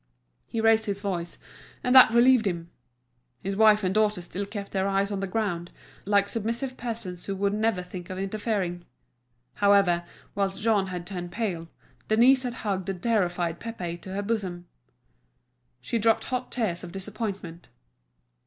He raised his voice, and that relieved him. His wife and daughter still kept their eyes on the ground, like submissive persons who would never think of interfering. However, whilst Jean had turned pale, Denise had hugged the terrified Pépé to her bosom. She dropped hot tears of disappointment.